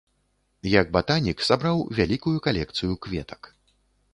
Як батанік, сабраў вялікую калекцыю кветак.